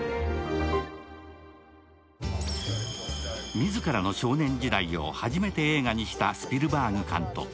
自らの少年時代を初めて映画にしたスピルバーグ監督。